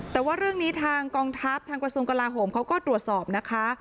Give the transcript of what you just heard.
แต่ว่าเรื่องนี้ทางกองทัพทางกระทรวงกลาโหมเขาก็ตรวจสอบนะคะ